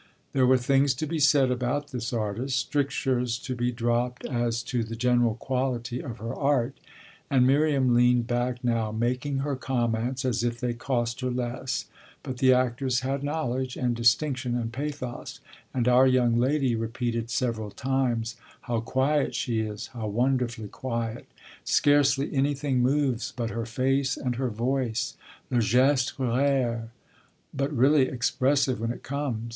There were things to be said about this artist, strictures to be dropped as to the general quality of her art, and Miriam leaned back now, making her comments as if they cost her less, but the actress had knowledge and distinction and pathos, and our young lady repeated several times: "How quiet she is, how wonderfully quiet! Scarcely anything moves but her face and her voice. Le geste rare, but really expressive when it comes.